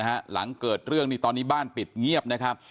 หลังเกิดเรื่องตอนนี้บ้านปิดเงียบ